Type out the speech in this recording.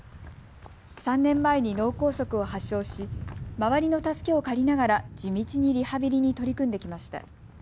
３年前に脳梗塞を発症し、周りの助けを借りながら地道にリハビリに取り組んできました。